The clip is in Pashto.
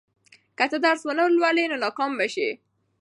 که ته درس ونه لولې، نو ناکام به شې.